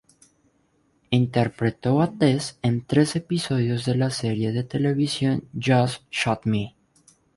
Interpretó a Tess en tres episodios de la serie de televisión "Just Shoot Me!